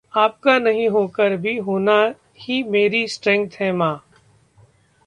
आपका नहीं होकर भी होना ही मेरी स्ट्रेंथ है मां...